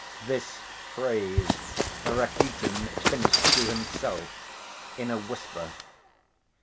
This phrase Rakitin finished to himself in a whisper.